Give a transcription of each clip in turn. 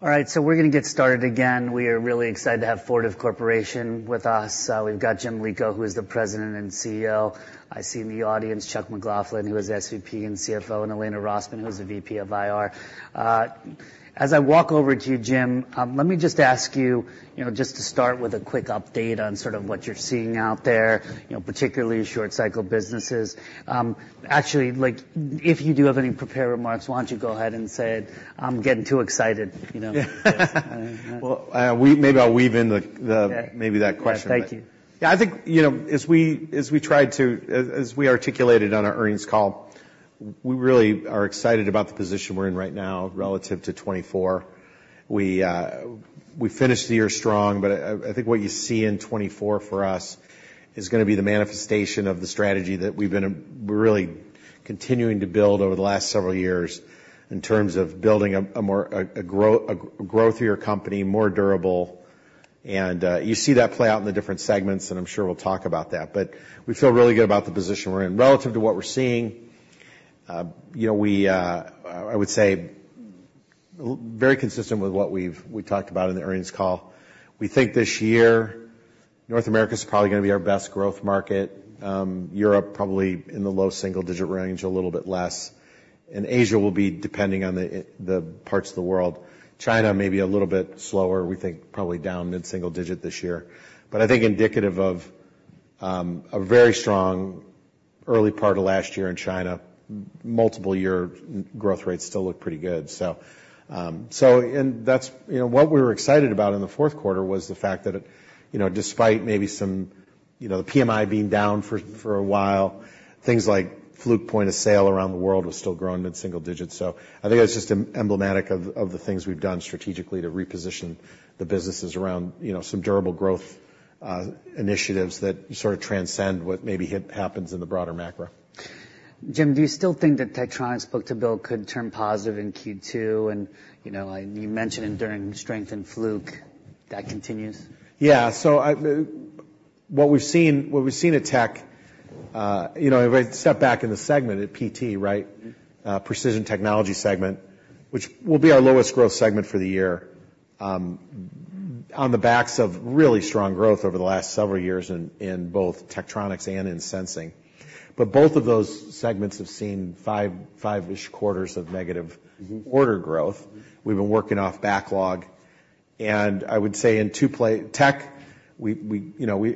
All right, so we're going to get started again. We are really excited to have Fortive Corporation with us. We've got Jim Lico, who is the President and CEO. I see in the audience Chuck McLaughlin, who is SVP and CFO, and Elena Rosman, who is the VP of IR. As I walk over to you, Jim, let me just ask you, just to start with a quick update on sort of what you're seeing out there, particularly short-cycle businesses. Actually, if you do have any prepared remarks, why don't you go ahead and say it? I'm getting too excited. Well, maybe I'll weave in maybe that question. Thank you. Yeah, I think as we articulated on our earnings call, we really are excited about the position we're in right now relative to 2024. We finished the year strong, but I think what you see in 2024 for us is going to be the manifestation of the strategy that we've been really continuing to build over the last several years in terms of building a growthier company, more durable. And you see that play out in the different segments, and I'm sure we'll talk about that. But we feel really good about the position we're in relative to what we're seeing. I would say very consistent with what we talked about in the earnings call. We think this year, North America is probably going to be our best growth market, Europe probably in the low single-digit range, a little bit less, and Asia will be depending on the parts of the world. China may be a little bit slower. We think probably down mid-single digit this year. But I think indicative of a very strong early part of last year in China, multiple-year growth rates still look pretty good. And what we were excited about in the fourth quarter was the fact that despite maybe some the PMI being down for a while, things like Fluke point-of-sale around the world was still growing mid-single digit. So I think it was just emblematic of the things we've done strategically to reposition the businesses around some durable growth initiatives that sort of transcend what maybe happens in the broader macro. Jim, do you still think that Tektronix's book-to-bill could turn positive in Q2? And you mentioned enduring strength in Fluke. That continues? Yeah. So what we've seen in Tek, if I step back in the segment at PT, right, Precision Technologies segment, which will be our lowest growth segment for the year, on the backs of really strong growth over the last several years in both Tektronix and in Sensing. But both of those segments have seen five-ish quarters of negative order growth. We've been working off backlog. And I would say in Tektronix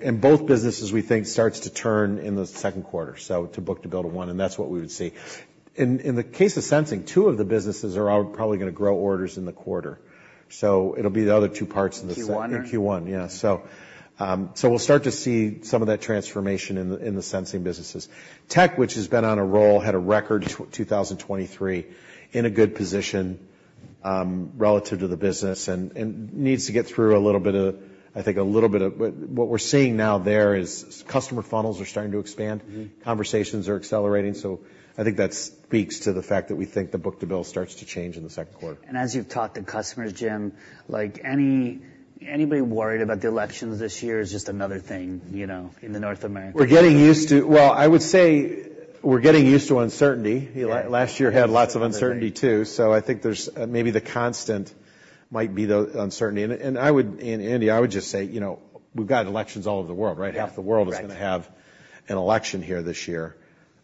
in both businesses, we think starts to turn in the second quarter, so to book-to-bill to one, and that's what we would see. In the case of Sensing, two of the businesses are probably going to grow orders in the quarter. So it'll be the other two parts in the second. Q1? In Q1, yeah. So we'll start to see some of that transformation in the Sensing businesses. Tek, which has been on a roll, had a record 2023 and is in a good position relative to the business and needs to get through a little bit of, I think, a little bit of what we're seeing now. There, customer funnels are starting to expand. Conversations are accelerating. So I think that speaks to the fact that we think the book-to-bill starts to change in the second quarter. As you've talked to customers, Jim, anybody worried about the elections this year is just another thing in North America. We're getting used to well, I would say we're getting used to uncertainty. Last year had lots of uncertainty too. So I think maybe the constant might be the uncertainty. And Andy, I would just say we've got elections all over the world, right? Half the world is going to have an election here this year.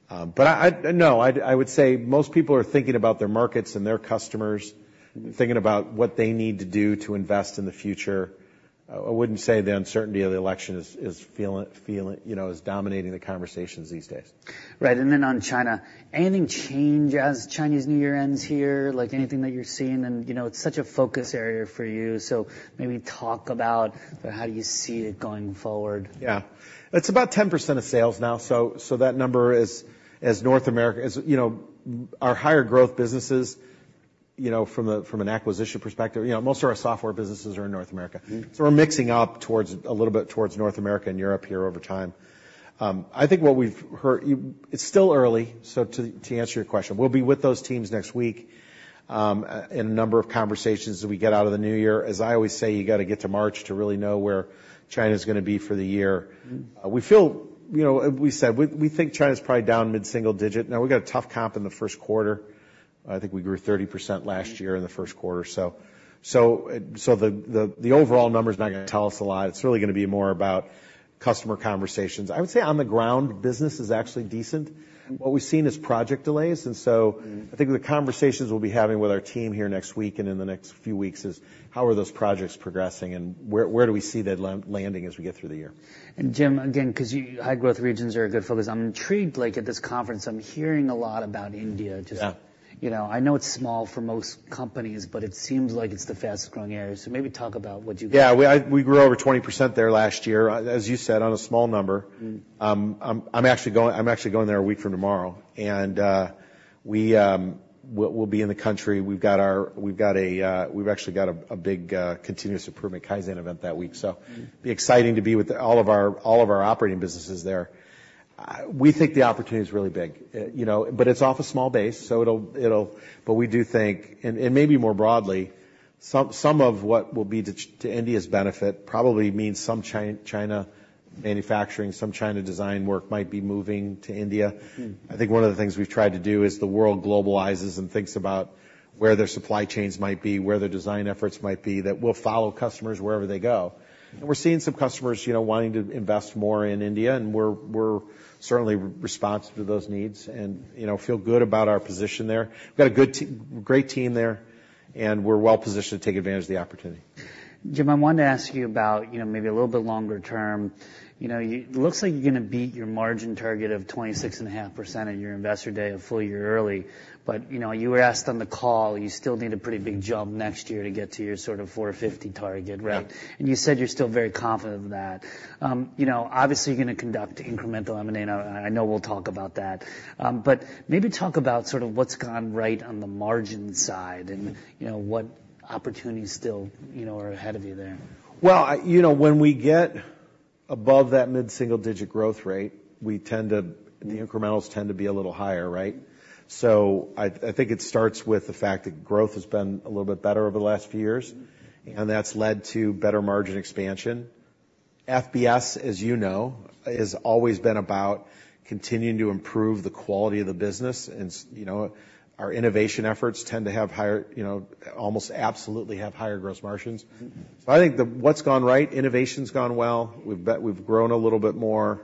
But no, I would say most people are thinking about their markets and their customers, thinking about what they need to do to invest in the future. I wouldn't say the uncertainty of the election is dominating the conversations these days. Right. And then on China, anything change as Chinese New Year ends here, anything that you're seeing? And it's such a focus area for you. So maybe talk about how do you see it going forward. Yeah. It's about 10% of sales now. So that number is as North America our higher growth businesses from an acquisition perspective, most of our software businesses are in North America. So we're mixing up towards a little bit towards North America and Europe here over time. I think what we've heard it's still early. So to answer your question, we'll be with those teams next week in a number of conversations as we get out of the New Year. As I always say, you got to get to March to really know where China is going to be for the year. We feel we said we think China is probably down mid-single digit. Now, we got a tough comp in the first quarter. I think we grew 30% last year in the first quarter. So the overall number is not going to tell us a lot. It's really going to be more about customer conversations. I would say on the ground, business is actually decent. What we've seen is project delays. And so I think the conversations we'll be having with our team here next week and in the next few weeks is, how are those projects progressing, and where do we see that landing as we get through the year? Jim, again, because high-growth regions are a good focus, I'm intrigued. At this conference, I'm hearing a lot about India. I know it's small for most companies, but it seems like it's the fastest-growing area. Maybe talk about what you got. Yeah. We grew over 20% there last year, as you said, on a small number. I'm actually going there a week from tomorrow. We'll be in the country. We've actually got a big continuous improvement Kaizen event that week. It'd be exciting to be with all of our operating businesses there. We think the opportunity is really big, but it's off a small base. We do think, and maybe more broadly, some of what will be to India's benefit probably means some China manufacturing, some China design work might be moving to India. I think one of the things we've tried to do is the world globalizes and thinks about where their supply chains might be, where their design efforts might be, that we'll follow customers wherever they go. We're seeing some customers wanting to invest more in India. We're certainly responsive to those needs and feel good about our position there. We've got a great team there, and we're well positioned to take advantage of the opportunity. Jim, I wanted to ask you about maybe a little bit longer term. It looks like you're going to beat your margin target of 26.5% in your investor day a full year early. But you were asked on the call, you still need a pretty big jump next year to get to your sort of 450 target, right? And you said you're still very confident of that. Obviously, you're going to conduct incremental M&A. Now, I know we'll talk about that. But maybe talk about sort of what's gone right on the margin side and what opportunities still are ahead of you there. Well, when we get above that mid-single-digit growth rate, the incrementals tend to be a little higher, right? So I think it starts with the fact that growth has been a little bit better over the last few years, and that's led to better margin expansion. FBS, as you know, has always been about continuing to improve the quality of the business. And our innovation efforts tend to have higher almost absolutely have higher gross margins. So I think what's gone right, innovation's gone well. We've grown a little bit more.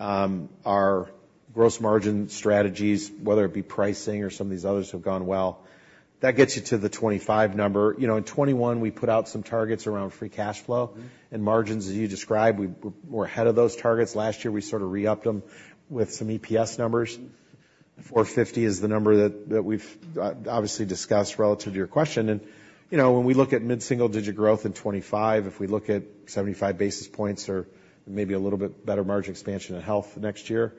Our gross margin strategies, whether it be pricing or some of these others, have gone well. That gets you to the 25 number. In 2021, we put out some targets around free cash flow and margins. As you described, we're ahead of those targets. Last year, we sort of re-upped them with some EPS numbers. 450 is the number that we've obviously discussed relative to your question. When we look at mid-single digit growth in 2025, if we look at 75 basis points or maybe a little bit better margin expansion in Health next year,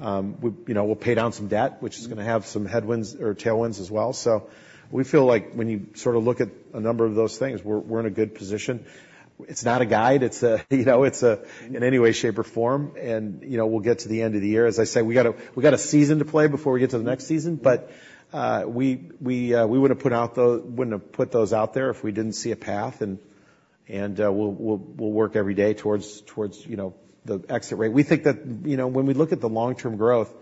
we'll pay down some debt, which is going to have some headwinds or tailwinds as well. So we feel like when you sort of look at a number of those things, we're in a good position. It's not a guide. It's in any way, shape, or form. We'll get to the end of the year. As I say, we got a season to play before we get to the next season. But we wouldn't have put those out there if we didn't see a path. We'll work every day towards the exit rate. We think that when we look at the long-term growth,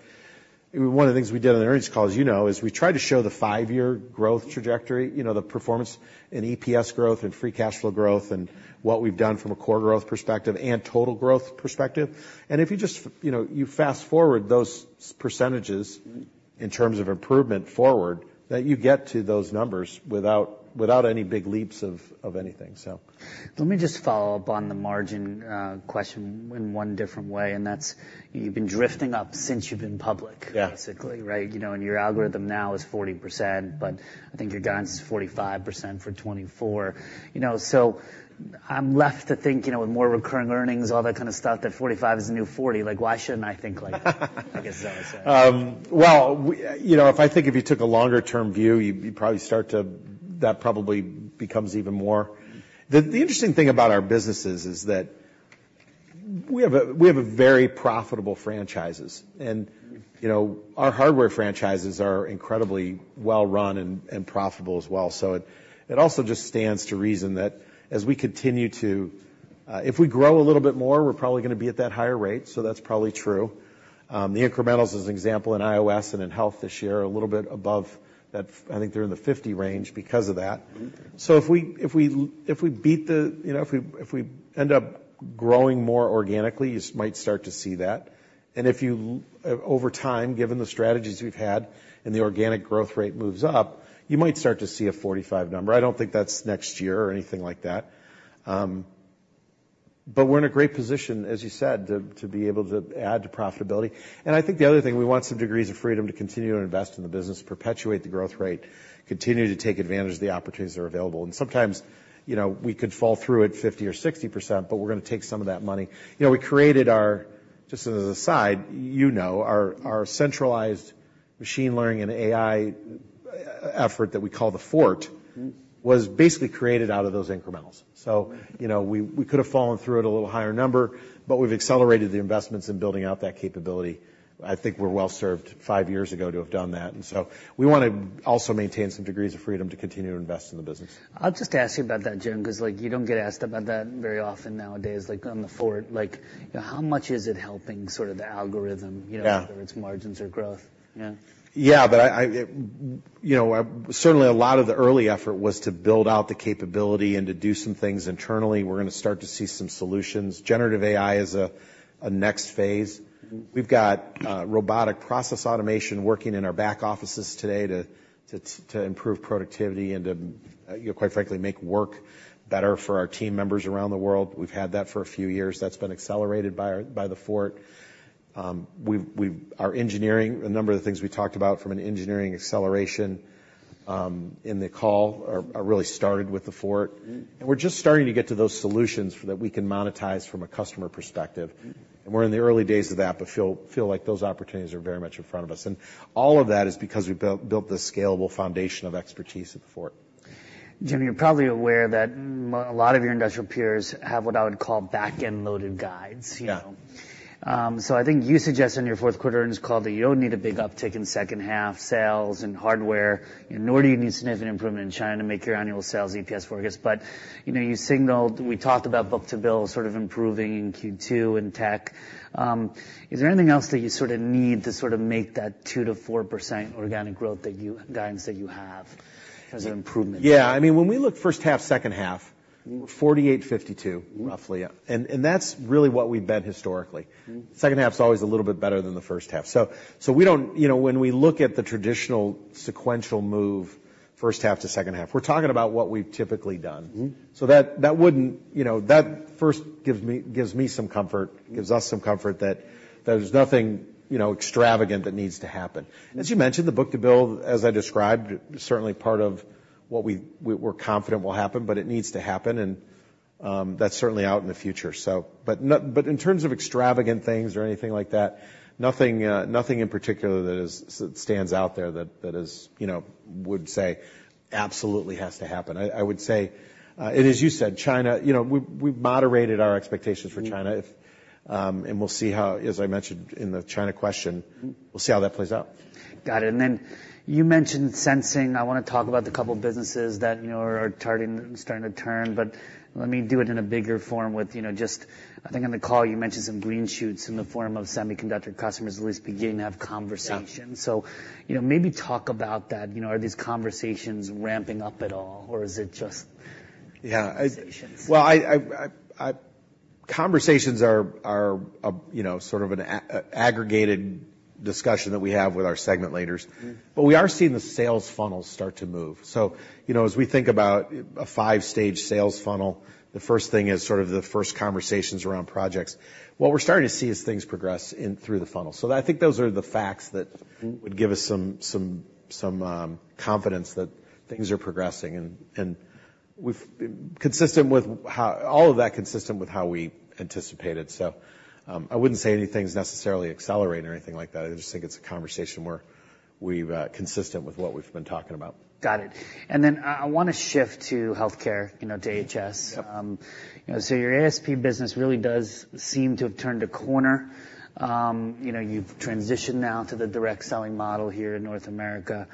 one of the things we did on the earnings calls, you know, is we tried to show the five-year growth trajectory, the performance in EPS growth and free cash flow growth and what we've done from a core growth perspective and total growth perspective. If you just fast forward those percentages in terms of improvement forward, that you get to those numbers without any big leaps of anything, so. Let me just follow up on the margin question in one different way. And that's you've been drifting up since you've been public, basically, right? And your algorithm now is 40%, but I think your guidance is 45% for 2024. So I'm left to think with more recurring earnings, all that kind of stuff, that 45 is a new 40. Why shouldn't I think like that? I guess that's what I was saying. Well, if I think if you took a longer-term view, you'd probably start to that probably becomes even more. The interesting thing about our businesses is that we have very profitable franchises. And our hardware franchises are incredibly well run and profitable as well. So it also just stands to reason that as we continue to if we grow a little bit more, we're probably going to be at that higher rate. So that's probably true. The incrementals, as an example, in IOS and in Health this year, are a little bit above that. I think they're in the 50 range because of that. So if we beat the if we end up growing more organically, you might start to see that. And over time, given the strategies we've had and the organic growth rate moves up, you might start to see a 45 number. I don't think that's next year or anything like that. But we're in a great position, as you said, to be able to add to profitability. I think the other thing, we want some degrees of freedom to continue to invest in the business, perpetuate the growth rate, continue to take advantage of the opportunities that are available. Sometimes we could fall through at 50% or 60%, but we're going to take some of that money. We created ours, just as a side, you know, our centralized machine learning and AI effort that we call The Fort was basically created out of those incrementals. So we could have fallen through at a little higher number, but we've accelerated the investments in building out that capability. I think we're well served five years ago to have done that. We want to also maintain some degrees of freedom to continue to invest in the business. I'll just ask you about that, Jim, because you don't get asked about that very often nowadays on The Fort. How much is it helping sort of the algorithm, whether it's margins or growth? Yeah. Yeah. But certainly, a lot of the early effort was to build out the capability and to do some things internally. We're going to start to see some solutions. Generative AI is a next phase. We've got robotic process automation working in our back offices today to improve productivity and to, quite frankly, make work better for our team members around the world. We've had that for a few years. That's been accelerated by The Fort. Our engineering, a number of the things we talked about from an engineering acceleration in the call are really started with The Fort. And we're just starting to get to those solutions that we can monetize from a customer perspective. And we're in the early days of that, but feel like those opportunities are very much in front of us. All of that is because we've built this scalable foundation of expertise at The Fort. Jim, you're probably aware that a lot of your industrial peers have what I would call backend-loaded guides. So I think you suggest in your fourth quarter and it's called that you don't need a big uptick in second-half sales and hardware, nor do you need significant improvement in China to make your annual sales EPS forecast. But you signaled we talked about book-to-bill sort of improving in Q2 in Tek. Is there anything else that you sort of need to sort of make that 2%-4% organic growth guidance that you have as an improvement? Yeah. I mean, when we look first-half, second-half, we're 48%-52%, roughly. And that's really what we've bet historically. Second-half is always a little bit better than the first-half. So when we look at the traditional sequential move, first-half to second-half, we're talking about what we've typically done. So that wouldn't. That first gives me some comfort, gives us some comfort that there's nothing extravagant that needs to happen. As you mentioned, the book-to-bill, as I described, is certainly part of what we're confident will happen, but it needs to happen. And that's certainly out in the future. But in terms of extravagant things or anything like that, nothing in particular that stands out there that would say absolutely has to happen. I would say, and as you said, China we've moderated our expectations for China. We'll see how, as I mentioned in the China question, we'll see how that plays out. Got it. And then you mentioned Sensing. I want to talk about the couple of businesses that are starting to turn. But let me do it in a bigger form with just, I think, on the call, you mentioned some green shoots in the form of semiconductor customers at least beginning to have conversations. So maybe talk about that. Are these conversations ramping up at all, or is it just conversations? Yeah. Well, conversations are sort of an aggregated discussion that we have with our segment leaders. But we are seeing the sales funnel start to move. So as we think about a five-stage sales funnel, the first thing is sort of the first conversations around projects. What we're starting to see is things progress through the funnel. So I think those are the facts that would give us some confidence that things are progressing and consistent with all of that consistent with how we anticipated. So I wouldn't say anything's necessarily accelerating or anything like that. I just think it's a conversation where we've consistent with what we've been talking about. Got it. And then I want to shift to healthcare, AHS. So your ASP business really does seem to have turned a corner. You've transitioned now to the direct selling model here in North America.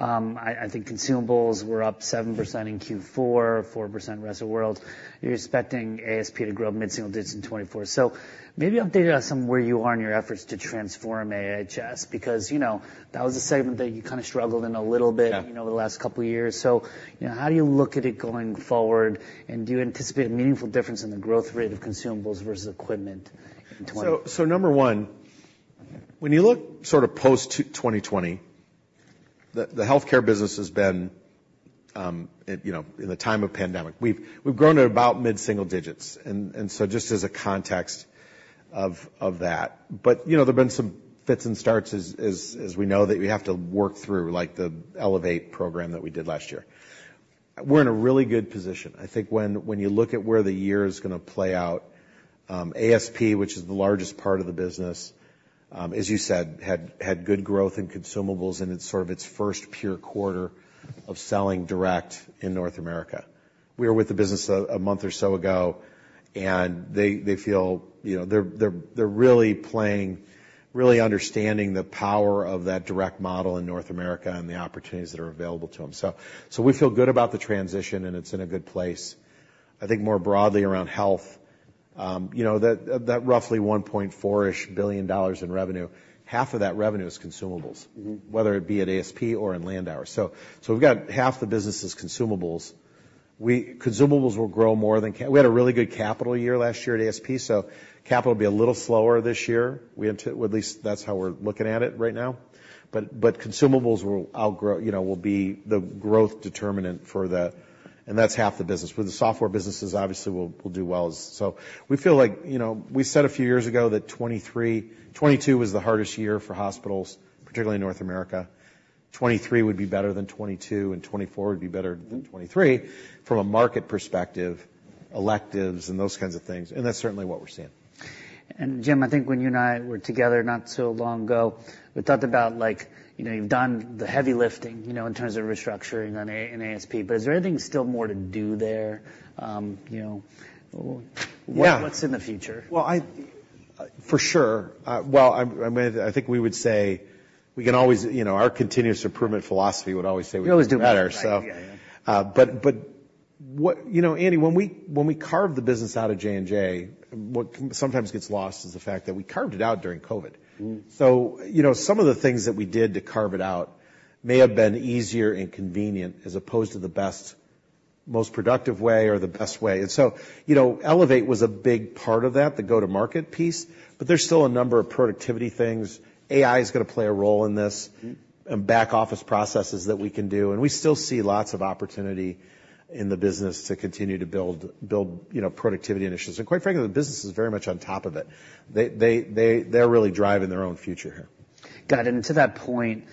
I think consumables were up 7% in Q4, 4% rest of the world. You're expecting ASP to grow mid-single digits in 2024. So maybe update us on where you are in your efforts to transform AHS because that was a segment that you kind of struggled in a little bit over the last couple of years. So how do you look at it going forward? And do you anticipate a meaningful difference in the growth rate of consumables versus equipment in 2020? So number one, when you look sort of post-2020, the healthcare business has been in the time of pandemic, we've grown at about mid-single digits. And so just as a context of that, but there have been some fits and starts, as we know, that we have to work through, like the Elevate program that we did last year. We're in a really good position. I think when you look at where the year is going to play out, ASP, which is the largest part of the business, as you said, had good growth in consumables in sort of its first pure quarter of selling direct in North America. We were with the business a month or so ago, and they feel they're really understanding the power of that direct model in North America and the opportunities that are available to them. So we feel good about the transition, and it's in a good place. I think more broadly around health, that roughly $1.4 billion in revenue, half of that revenue is consumables, whether it be at ASP or in Landauer. So we've got half the business is consumables. Consumables will grow more than we had a really good capital year last year at ASP. So capital will be a little slower this year. At least that's how we're looking at it right now. But consumables will be the growth determinant for the and that's half the business. With the software businesses, obviously, we'll do well as so we feel like we said a few years ago that 2022 was the hardest year for hospitals, particularly in North America. 2023 would be better than 2022, and 2024 would be better than 2023 from a market perspective, electives, and those kinds of things. That's certainly what we're seeing. Jim, I think when you and I were together not so long ago, we talked about you've done the heavy lifting in terms of restructuring in ASP. But is there anything still more to do there? What's in the future? Yeah. Well, for sure. Well, I think we would say we can always our continuous improvement philosophy would always say we can do better. But Andy, when we carved the business out of J&J, what sometimes gets lost is the fact that we carved it out during COVID. So some of the things that we did to carve it out may have been easier and convenient as opposed to the best, most productive way or the best way. And so Elevate was a big part of that, the go-to-market piece. But there's still a number of productivity things. AI is going to play a role in this and back-office processes that we can do. And we still see lots of opportunity in the business to continue to build productivity initiatives. And quite frankly, the business is very much on top of it. They're really driving their own future here. Got it. And to that point,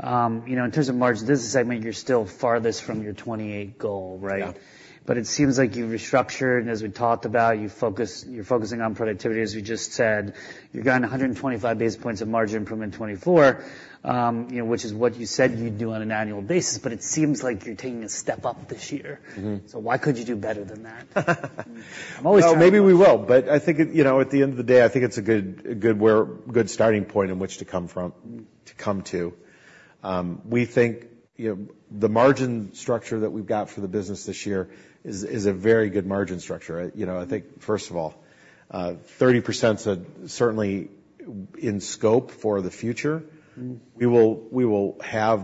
in terms of margin, this segment, you're still farthest from your 28 goal, right? But it seems like you've restructured. And as we talked about, you're focusing on productivity. As we just said, you're going 125 basis points of margin improvement in 2024, which is what you said you'd do on an annual basis. But it seems like you're taking a step up this year. So why could you do better than that? I'm always trying to. Maybe we will. But I think at the end of the day, I think it's a good starting point in which to come to. We think the margin structure that we've got for the business this year is a very good margin structure. I think, first of all, 30% is certainly in scope for the future. We will have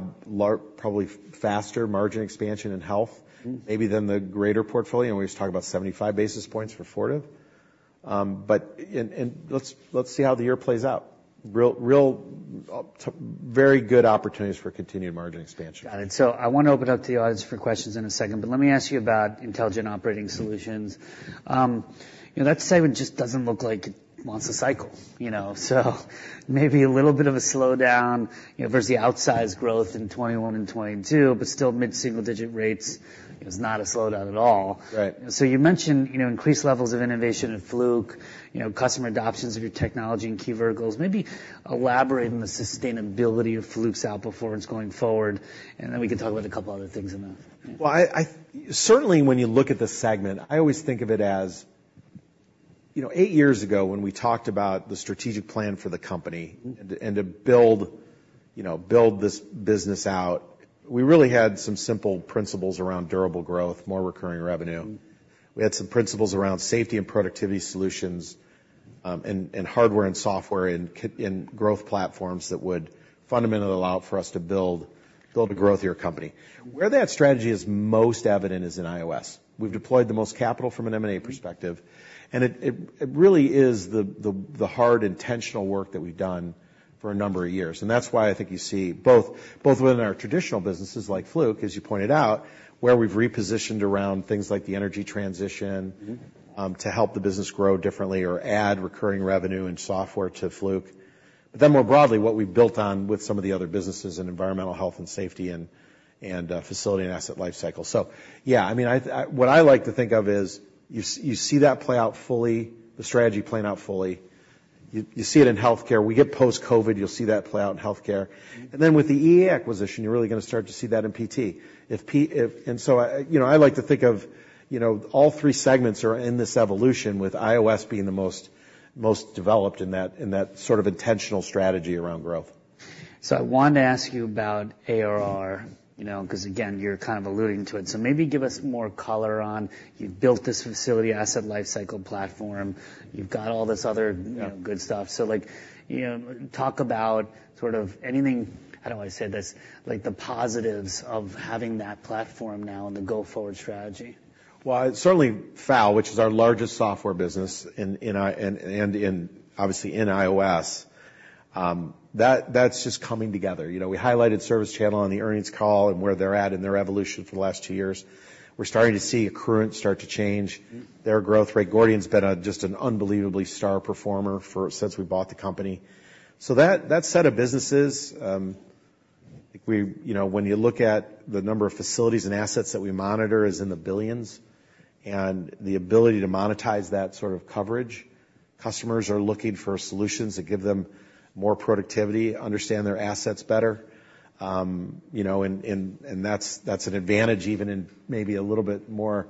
probably faster margin expansion in health, maybe than the greater portfolio. And we just talked about 75 basis points for Fortive. And let's see how the year plays out. Really very good opportunities for continued margin expansion. Got it. I want to open up to the audience for questions in a second. But let me ask you about Intelligent Operating Solutions. That segment just doesn't look like it wants a cycle. Maybe a little bit of a slowdown versus the outsized growth in 2021 and 2022, but still mid-single digit rates is not a slowdown at all. You mentioned increased levels of innovation at Fluke, customer adoptions of your technology and key verticals. Maybe elaborate on the sustainability of Fluke's outperformance going forward. Then we can talk about a couple of other things in that. Well, certainly, when you look at this segment, I always think of it as eight years ago, when we talked about the strategic plan for the company and to build this business out, we really had some simple principles around durable growth, more recurring revenue. We had some principles around safety and productivity solutions and hardware and software and growth platforms that would fundamentally allow it for us to build a growthier company. Where that strategy is most evident is in iOS. We've deployed the most capital from an M&A perspective. And it really is the hard intentional work that we've done for a number of years. And that's why I think you see both within our traditional businesses like Fluke, as you pointed out, where we've repositioned around things like the energy transition to help the business grow differently or add recurring revenue and software to Fluke. But then, more broadly, what we've built on with some of the other businesses in Environmental Health and Safety and Facility and Asset Lifecycle. So yeah, I mean, what I like to think of is you see that play out fully, the strategy playing out fully. You see it in healthcare. We get post-COVID. You'll see that play out in healthcare. And then with the EA acquisition, you're really going to start to see that in PT. And so I like to think of all three segments are in this evolution with iOS being the most developed in that sort of intentional strategy around growth. So I wanted to ask you about ARR because, again, you're kind of alluding to it. So maybe give us more color on you've built this Facility Asset Lifecycle platform. You've got all this other good stuff. So talk about sort of anything, how do I say this, the positives of having that platform now and the go-forward strategy. Well, certainly FAL, which is our largest software business and obviously in iOS, that's just coming together. We highlighted ServiceChannel on the earnings call and where they're at in their evolution for the last two years. We're starting to see Accruent start to change. Their growth rate, Gordian's been just an unbelievably star performer since we bought the company. So that set of businesses, when you look at the number of facilities and assets that we monitor is in the billions. And the ability to monetize that sort of coverage, customers are looking for solutions that give them more productivity, understand their assets better. And that's an advantage even in maybe a little bit more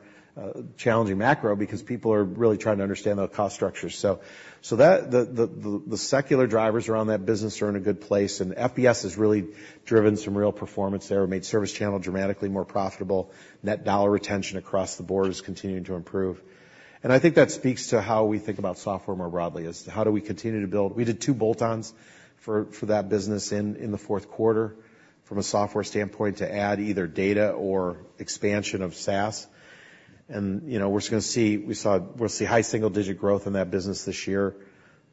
challenging macro because people are really trying to understand those cost structures. So the secular drivers around that business are in a good place. And FBS has really driven some real performance there, made ServiceChannel dramatically more profitable. Net dollar retention across the board is continuing to improve. And I think that speaks to how we think about software more broadly as to how do we continue to build. We did two bolt-ons for that business in the fourth quarter from a software standpoint to add either data or expansion of SaaS. And we're going to see we'll see high single-digit growth in that business this year.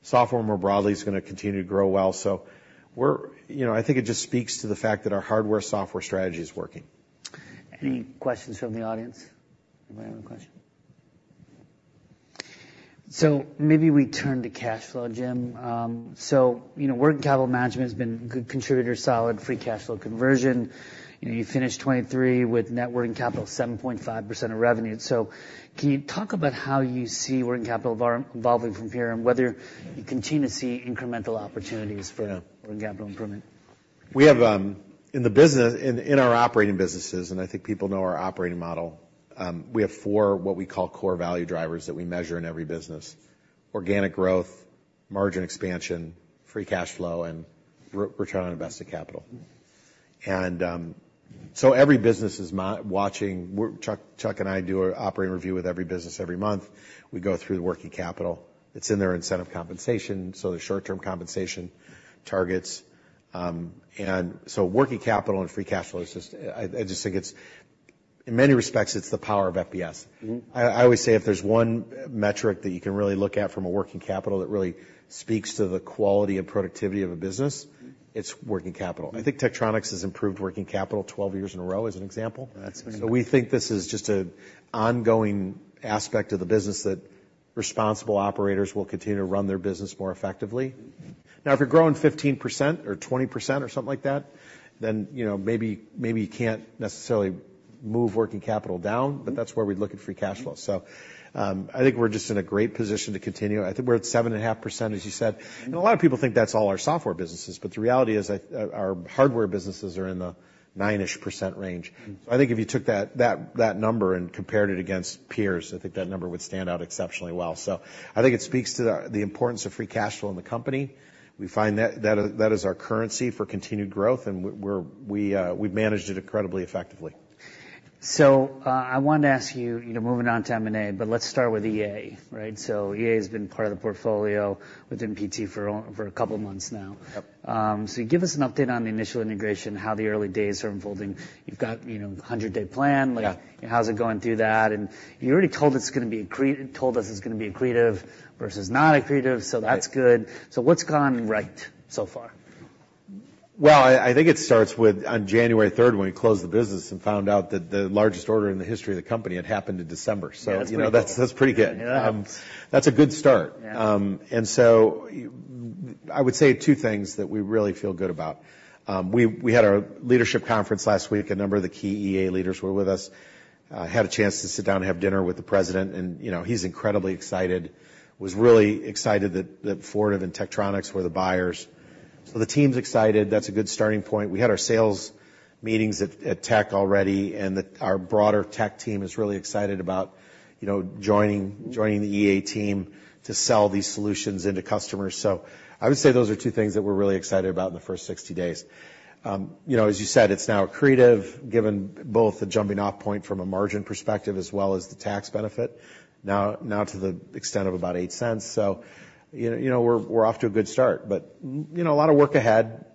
Software more broadly is going to continue to grow well. So I think it just speaks to the fact that our hardware software strategy is working. Any questions from the audience? Anybody have a question? So maybe we turn to cash flow, Jim. So working capital management has been a good contributor, solid free cash flow conversion. You finished 2023 with net working capital 7.5% of revenue. So can you talk about how you see working capital evolving from here and whether you continue to see incremental opportunities for working capital improvement? In the business, in our operating businesses, and I think people know our operating model, we have four what we call core value drivers that we measure in every business: organic growth, margin expansion, free cash flow, and return on invested capital. So every business is watching Chuck and I do an operating review with every business every month. We go through the working capital. It's in their incentive compensation. So there's short-term compensation targets. And so working capital and free cash flow, I just think it's in many respects, it's the power of FBS. I always say if there's one metric that you can really look at from a working capital that really speaks to the quality and productivity of a business, it's working capital. I think Tektronix has improved working capital 12 years in a row as an example. So we think this is just an ongoing aspect of the business that responsible operators will continue to run their business more effectively. Now, if you're growing 15% or 20% or something like that, then maybe you can't necessarily move working capital down. But that's where we'd look at free cash flow. So I think we're just in a great position to continue. I think we're at 7.5%, as you said. And a lot of people think that's all our software businesses. But the reality is our hardware businesses are in the 9%-ish range. So I think if you took that number and compared it against peers, I think that number would stand out exceptionally well. So I think it speaks to the importance of free cash flow in the company. We find that is our currency for continued growth. And we've managed it incredibly effectively. So I wanted to ask you, moving on to M&A, but let's start with EA, right? So EA has been part of the portfolio within PT for a couple of months now. So give us an update on the initial integration, how the early days are unfolding. You've got a 100-day plan. How's it going through that? And you already told us it's going to be accretive versus not accretive. So that's good. So what's gone right so far? Well, I think it starts with on January 3rd, when we closed the business and found out that the largest order in the history of the company had happened in December. So that's pretty good. That's a good start. And so I would say two things that we really feel good about. We had our leadership conference last week. A number of the key EA leaders were with us, had a chance to sit down and have dinner with the president. And he's incredibly excited, was really excited that Fortive and Tektronix were the buyers. So the team's excited. That's a good starting point. We had our sales meetings at Tek already. And our broader Tek team is really excited about joining the EA team to sell these solutions into customers. So I would say those are two things that we're really excited about in the first 60 days. As you said, it's now accretive, given both the jumping-off point from a margin perspective as well as the tax benefit, now to the extent of about $0.08. So we're off to a good start. But a lot of work ahead.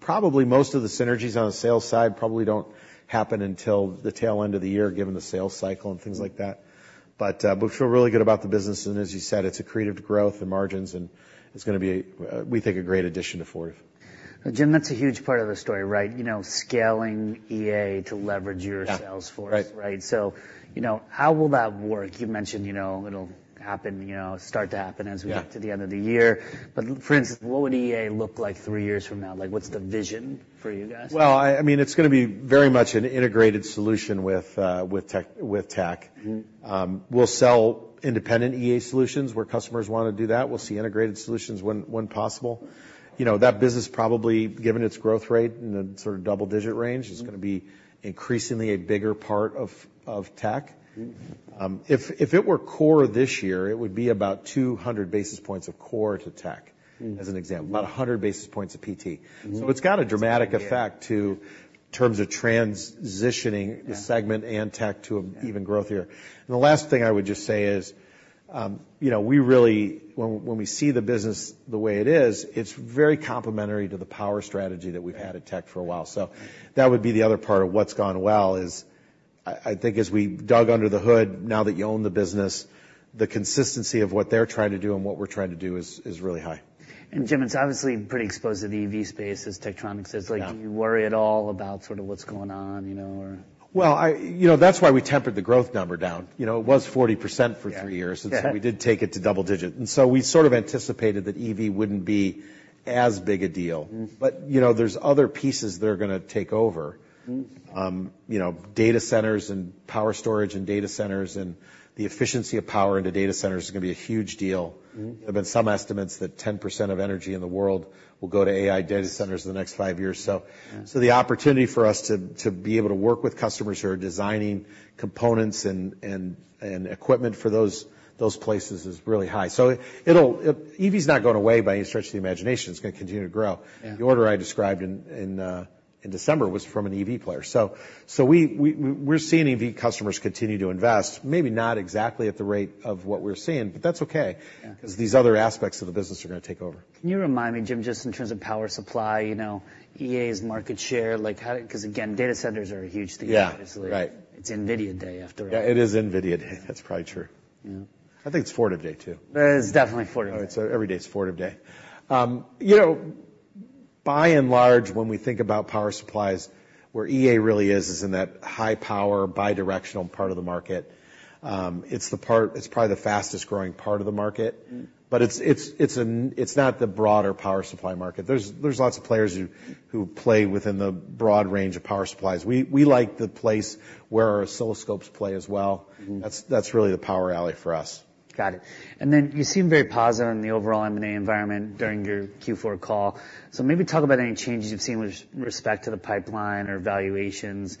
Probably most of the synergies on the sales side probably don't happen until the tail end of the year, given the sales cycle and things like that. But we feel really good about the business. And as you said, it's accretive to growth and margins. And it's going to be, we think, a great addition to Fortive. Jim, that's a huge part of the story, right? Scaling EA to leverage your sales force, right? So how will that work? You mentioned it'll happen, start to happen as we get to the end of the year. But for instance, what would EA look like three years from now? What's the vision for you guys? Well, I mean, it's going to be very much an integrated solution with Tek. We'll sell independent EA solutions where customers want to do that. We'll see integrated solutions when possible. That business, probably, given its growth rate in the sort of double-digit range, is going to be increasingly a bigger part of Tek. If it were core this year, it would be about 200 basis points of core to Tek, as an example, about 100 basis points of PT. So it's got a dramatic effect to terms of transitioning the segment and Tek to even growth here. And the last thing I would just say is we really, when we see the business the way it is, it's very complementary to the power strategy that we've had at Tek for a while. That would be the other part of what's gone well is I think as we dug under the hood, now that you own the business, the consistency of what they're trying to do and what we're trying to do is really high. Jim is obviously pretty exposed to the EV space, as Tektronix is. Do you worry at all about sort of what's going on, or? Well, that's why we tempered the growth number down. It was 40% for three years. And so we did take it to double digit. And so we sort of anticipated that EV wouldn't be as big a deal. But there's other pieces that are going to take over. Data centers and power storage and data centers and the efficiency of power into data centers is going to be a huge deal. There have been some estimates that 10% of energy in the world will go to AI data centers in the next five years. So the opportunity for us to be able to work with customers who are designing components and equipment for those places is really high. So EV is not going away by any stretch of the imagination. It's going to continue to grow. The order I described in December was from an EV player. So we're seeing EV customers continue to invest, maybe not exactly at the rate of what we're seeing. But that's okay because these other aspects of the business are going to take over. Can you remind me, Jim, just in terms of power supply, EA's market share? Because, again, data centers are a huge thing, obviously. It's NVIDIA day, after all. Yeah, it is NVIDIA day. That's probably true. I think it's Fortive day, too. It's definitely Fortive's day. All right. So every day is Fortive day. By and large, when we think about power supplies, where EA really is, is in that high-power, bidirectional part of the market. It's probably the fastest growing part of the market. But it's not the broader power supply market. There's lots of players who play within the broad range of power supplies. We like the place where oscilloscopes play as well. That's really the power alley for us. Got it. And then you seem very positive on the overall M&A environment during your Q4 call. So maybe talk about any changes you've seen with respect to the pipeline or valuations.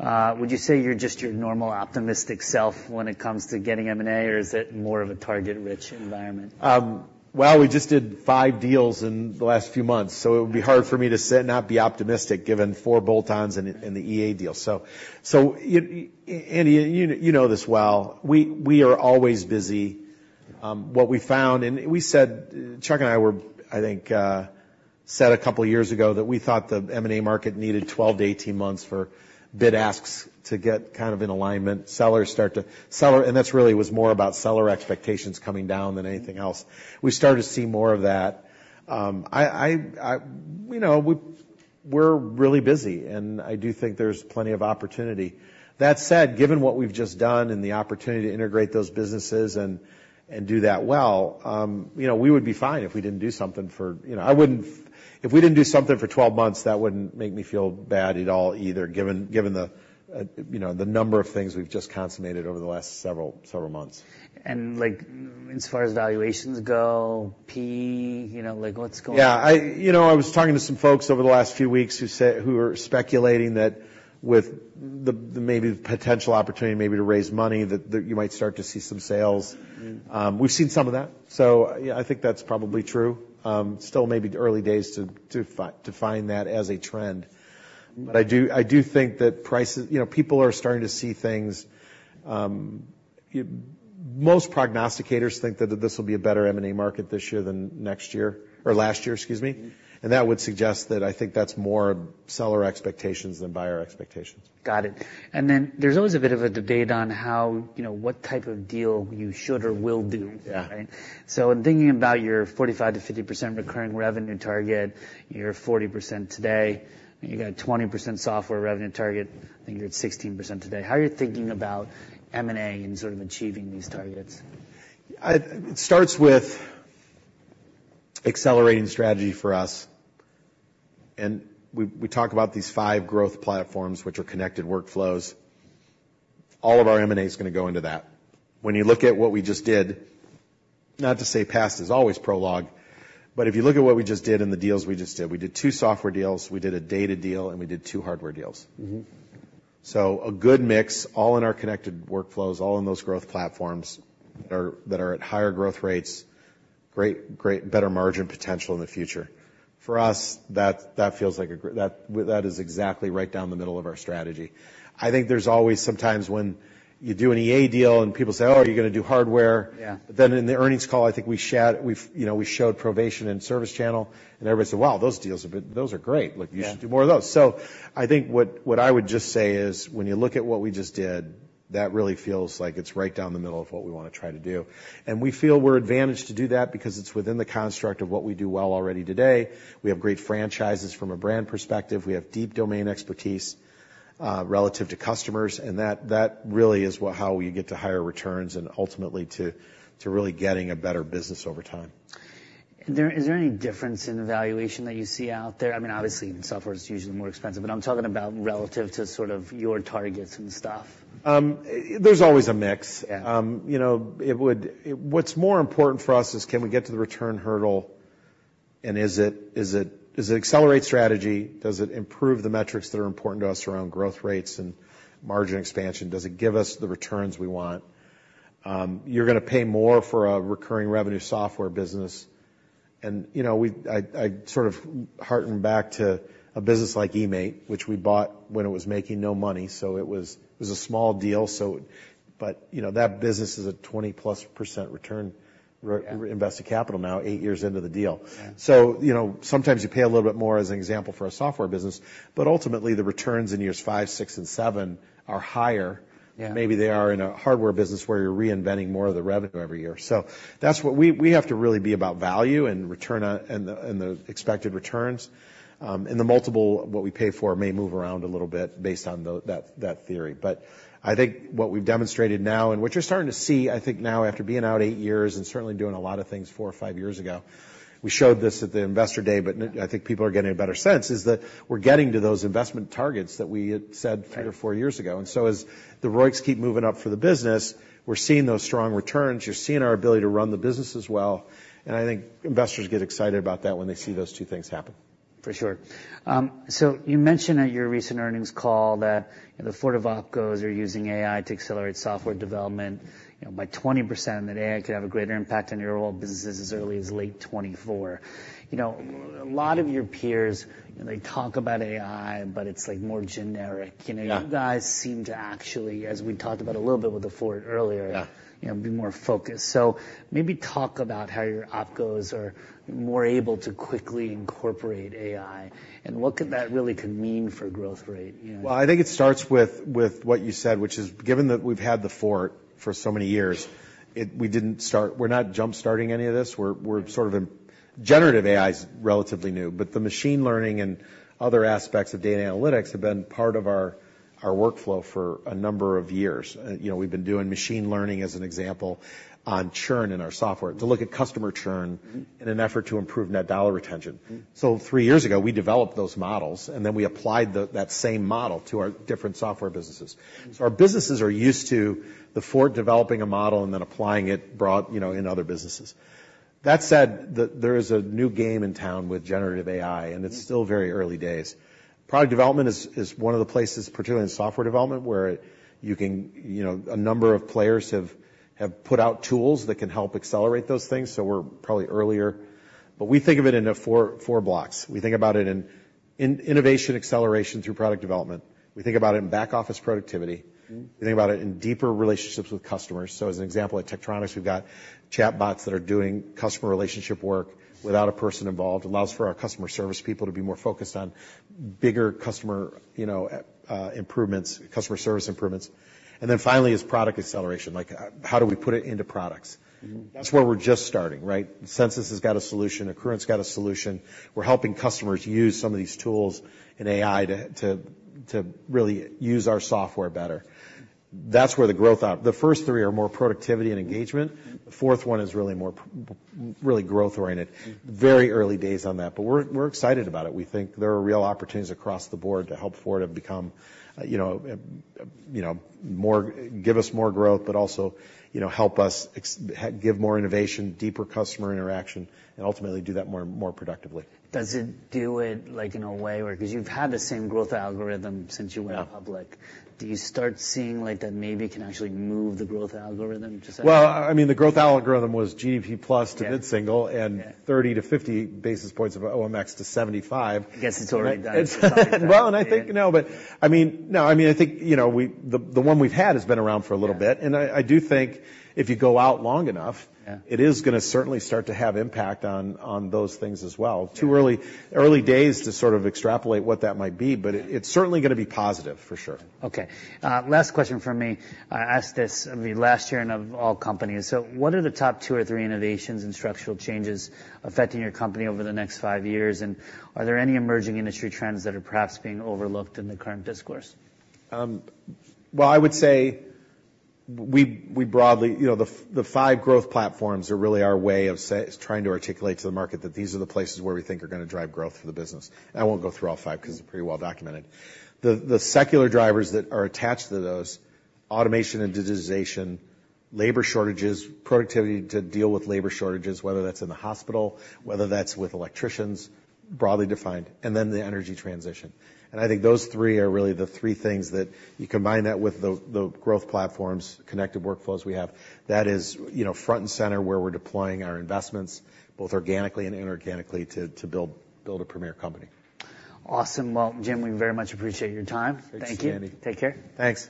Would you say you're just your normal optimistic self when it comes to getting M&A, or is it more of a target-rich environment? Well, we just did 5 deals in the last few months. So it would be hard for me to sit and not be optimistic, given 4 bolt-ons in the EA deal. So Andy, you know this well. We are always busy. What we found, and we said, Chuck and I were, I think, said a couple of years ago that we thought the M&A market needed 12-18 months for bid asks to get kind of in alignment, sellers start to sell. And that really was more about seller expectations coming down than anything else. We started to see more of that. We're really busy. And I do think there's plenty of opportunity. That said, given what we've just done and the opportunity to integrate those businesses and do that well, we would be fine if we didn't do something for 12 months, that wouldn't make me feel bad at all either, given the number of things we've just consummated over the last several months. As far as valuations go, PE, what's going on? Yeah. I was talking to some folks over the last few weeks who were speculating that with maybe the potential opportunity maybe to raise money, that you might start to see some sales. We've seen some of that. So I think that's probably true. Still, maybe early days to find that as a trend. But I do think that people are starting to see things. Most prognosticators think that this will be a better M&A market this year than next year or last year, excuse me. And that would suggest that I think that's more seller expectations than buyer expectations. Got it. Then there's always a bit of a debate on what type of deal you should or will do, right? So in thinking about your 45%-50% recurring revenue target, you're 40% today. You got a 20% software revenue target. I think you're at 16% today. How are you thinking about M&A and sort of achieving these targets? It starts with accelerating strategy for us. We talk about these five growth platforms, which are connected workflows. All of our M&A is going to go into that. When you look at what we just did, not to say past is always prologue, but if you look at what we just did and the deals we just did, we did two software deals. We did a data deal. We did two hardware deals. A good mix, all in our connected workflows, all in those growth platforms that are at higher growth rates, great, better margin potential in the future. For us, that feels like a that is exactly right down the middle of our strategy. I think there's always sometimes when you do an EA deal and people say, "Oh, you're going to do hardware." But then in the earnings call, I think we showed Provation and ServiceChannel. And everybody said, "Wow, those deals, those are great. You should do more of those." So I think what I would just say is when you look at what we just did, that really feels like it's right down the middle of what we want to try to do. And we feel we're advantaged to do that because it's within the construct of what we do well already today. We have great franchises from a brand perspective. We have deep domain expertise relative to customers. And that really is how we get to higher returns and ultimately to really getting a better business over time. Is there any difference in the valuation that you see out there? I mean, obviously, software is usually more expensive. But I'm talking about relative to sort of your targets and stuff. There's always a mix. What's more important for us is can we get to the return hurdle? And is it accelerate strategy? Does it improve the metrics that are important to us around growth rates and margin expansion? Does it give us the returns we want? You're going to pay more for a recurring revenue software business. And I sort of harken back to a business like eMaint, which we bought when it was making no money. So it was a small deal. But that business is a 20%+ return invested capital now, 8 years into the deal. So sometimes you pay a little bit more, as an example, for a software business. But ultimately, the returns in years 5, 6, and 7 are higher. Maybe they are in a hardware business where you're reinventing more of the revenue every year. So we have to really be about value and the expected returns. And the multiple what we pay for may move around a little bit based on that theory. But I think what we've demonstrated now and what you're starting to see, I think now, after being out eight years and certainly doing a lot of things four or five years ago we showed this at the Investor Day. But I think people are getting a better sense is that we're getting to those investment targets that we had said three or four years ago. And so as the ROICs keep moving up for the business, we're seeing those strong returns. You're seeing our ability to run the business as well. And I think investors get excited about that when they see those two things happen. For sure. So you mentioned at your recent earnings call that the Fortive opcos are using AI to accelerate software development by 20% and that AI could have a greater impact on your core businesses as early as late 2024. A lot of your peers, they talk about AI, but it's more generic. You guys seem to actually, as we talked about a little bit with The Fort earlier, be more focused. So maybe talk about how your opcos are more able to quickly incorporate AI. And what could that really mean for growth rate? Well, I think it starts with what you said, which is, given that we've had The Fort for so many years, we're not jump-starting any of this. We're sort of in. Generative AI is relatively new. But the machine learning and other aspects of data analytics have been part of our workflow for a number of years. We've been doing machine learning, as an example, on churn in our software to look at customer churn in an effort to improve net dollar retention. So three years ago, we developed those models. And then we applied that same model to our different software businesses. So our businesses are used to The Fort developing a model and then applying it in other businesses. That said, there is a new game in town with generative AI. And it's still very early days. Product development is one of the places, particularly in software development, where a number of players have put out tools that can help accelerate those things. So we're probably earlier. But we think of it in four blocks. We think about it in innovation acceleration through product development. We think about it in back-office productivity. We think about it in deeper relationships with customers. So as an example, at Tektronix, we've got chatbots that are doing customer relationship work without a person involved. It allows for our customer service people to be more focused on bigger customer improvements, customer service improvements. And then finally, is product acceleration. How do we put it into products? That's where we're just starting, right? Censis has got a solution. Accruent got a solution. We're helping customers use some of these tools in AI to really use our software better. That's where the growth the first three are more productivity and engagement. The fourth one is really growth-oriented. Very early days on that. But we're excited about it. We think there are real opportunities across the board to help Fortive become more give us more growth, but also help us give more innovation, deeper customer interaction, and ultimately do that more productively. Does it do it in a way where because you've had the same growth algorithm since you went public? Do you start seeing that maybe it can actually move the growth algorithm? Well, I mean, the growth algorithm was GDP plus 2 to mid-single and 30-50 basis points of OMX to 75. I guess it's already done. Well, and I think no. But I mean, no. I mean, I think the one we've had has been around for a little bit. And I do think if you go out long enough, it is going to certainly start to have impact on those things as well. Too early days to sort of extrapolate what that might be. But it's certainly going to be positive, for sure. Okay. Last question from me. I asked this of you last year and of all companies. So what are the top two or three innovations and structural changes affecting your company over the next five years? And are there any emerging industry trends that are perhaps being overlooked in the current discourse? Well, I would say, broadly, the five growth platforms are really our way of trying to articulate to the market that these are the places where we think are going to drive growth for the business. And I won't go through all five because they're pretty well documented. The secular drivers that are attached to those: automation and digitization, labor shortages, productivity to deal with labor shortages, whether that's in the hospital, whether that's with electricians, broadly defined, and then the energy transition. And I think those three are really the three things that you combine that with the growth platforms, connected workflows we have. That is front and center where we're deploying our investments, both organically and inorganically, to build a premier company. Awesome. Well, Jim, we very much appreciate your time. Thank you. Thanks, Andy. Take care. Thanks.